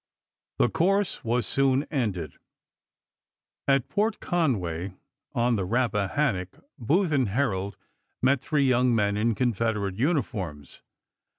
The course was soon ended. At Port Conway on the Rappahannock, Booth and Herold met three young men in Confederate uniforms.